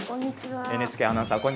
ＮＨＫアナウンサー小西です。